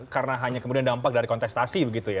karena hanya kemudian dampak dari kontestasi begitu ya